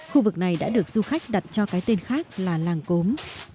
khu vực này đã được du khách đặt cho cái tên khác là làng cốm